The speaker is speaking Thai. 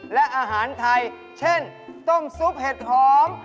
และอาหารไทยเช่นต้มซุปเห็ดหอม